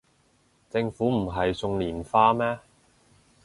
政府唔係送連花咩